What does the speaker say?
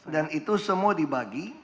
dan itu semua dibagi